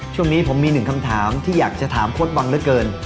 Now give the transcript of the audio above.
ช่วงนี้ผมมีหนึ่งคำถามที่อยากจะถามโค้ดบังเหลือเกิน